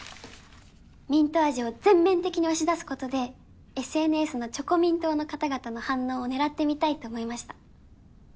ミント味を全面的に押し出すことでＳＮＳのチョコミン党の方々の反応を狙ってみたいと思いました